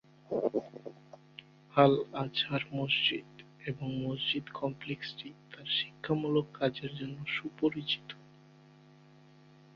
Al Azhar মসজিদ এবং মসজিদ কমপ্লেক্সটি তার শিক্ষামূলক কাজের জন্য সুপরিচিত।